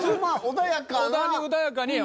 穏やかに。